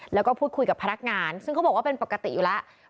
แล้วก็พูดคุยกับพนักงานซึ่งเขาบอกว่าเป็นปกติอยู่แล้ว